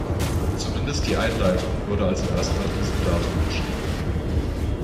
Zumindest die Einleitung wurde also erst nach diesem Datum geschrieben.